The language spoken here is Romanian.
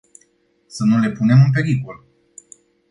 Să nu le punem în pericol!